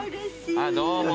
あっどうも。